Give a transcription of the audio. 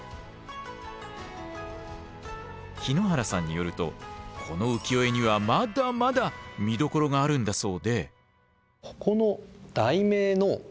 日野原さんによるとこの浮世絵にはまだまだ見どころがあるんだそうで。